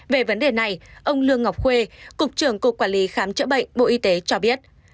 về vấn đề này ông lương ngọc khuê cục trưởng cục quản lý khám chữa bệnh bộ y tế cho biết